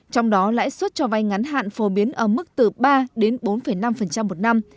trong đó lãi suất cho vay ngắn hạn phổ biến ở mức từ ba đến bốn năm một năm